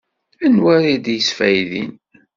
Anwa ara d-yesfaydin?